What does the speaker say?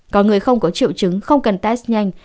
có người không có triệu chứng không cần test nhanh